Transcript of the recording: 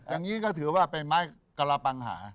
อย่างนี้ก็ถือว่าเป็นไม้กระปังหา